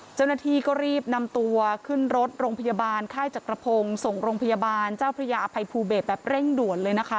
เจ้าหน้าที่ก็รีบนำตัวขึ้นรถโรงพยาบาลค่ายจักรพงศ์ส่งโรงพยาบาลเจ้าพระยาอภัยภูเบศแบบเร่งด่วนเลยนะคะ